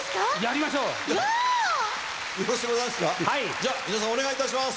じゃあ皆さんお願いいたします。